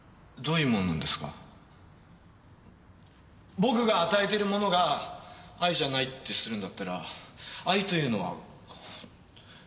僕が与えてるものが愛じゃないってするんだったら愛というのはどういうもんですかね？